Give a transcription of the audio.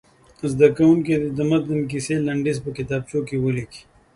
زده کوونکي دې د متن د کیسې لنډیز په کتابچو کې ولیکي.